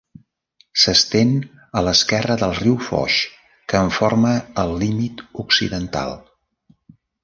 S'estén a l'esquerra del riu Foix, que en forma el límit occidental.